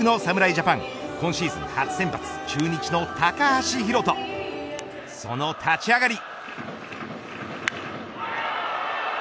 ジャパン今シーズン初先発中日の高橋宏斗その立ち上がり。